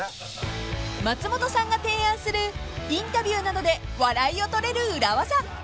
［松本さんが提案するインタビューなどで笑いを取れる裏技］